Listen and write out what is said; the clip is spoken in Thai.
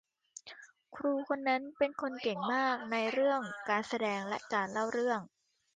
ครูคนนั้นเป็นคนเก่งมากในเรื่องการแสดงและการเล่าเรื่อง